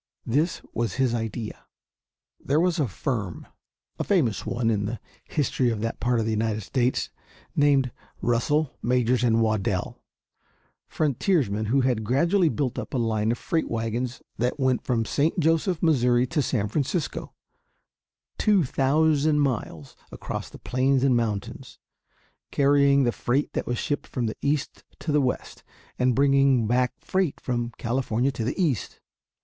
This was his idea. There was a firm a famous one in the history of that part of the United States named Russell, Majors & Waddell, frontiersmen who had gradually built up a line of freight wagons that went from St. Joseph, Missouri, to San Francisco, two thousand miles across the plains and mountains, carrying the freight that was shipped from the East to the West and bringing back freight from California to the East.